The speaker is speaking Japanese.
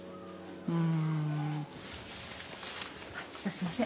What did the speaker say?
すいません。